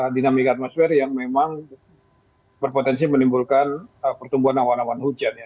dinamika atmosfer yang memang berpotensi menimbulkan pertumbuhan awan awan hujan ya